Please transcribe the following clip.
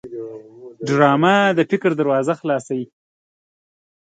ډرامه د فکر دروازه خلاصوي